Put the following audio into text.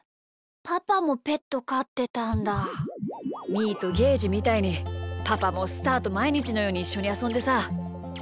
みーとゲージみたいにパパもスターとまいにちのようにいっしょにあそんでさ。